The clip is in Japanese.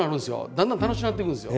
だんだん楽しくなってくるんですよ。